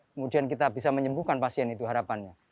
kemudian kita bisa menyembuhkan pasien itu harapannya